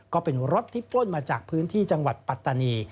ก็เป็นรถที่ปล้นมาจากพื้นที่จังหวัดปัตตานี